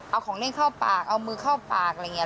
เอาของเล่นเข้าปากเอามือเข้าปากอะไรอย่างนี้